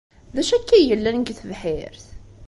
D acu akka ay yellan deg tebḥirt?